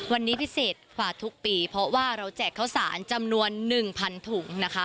วันนี้พิเศษภาพทุกปีเพราะว่าเราแจกข้าวสารจำนวน๑๐๐๐ถุงนะคะ